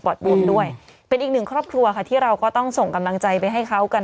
บุญด้วยเป็นอีกหนึ่งครอบครัวค่ะที่เราก็ต้องส่งกำลังใจไปให้เขากัน